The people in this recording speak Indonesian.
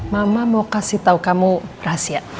mama mau kasih tahu kamu rahasia